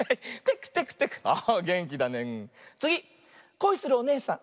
こいするおねえさん。